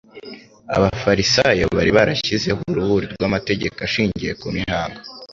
Abafarisayo bari barashyizeho uruhuri rw'amategeko ashingiye ku mihango,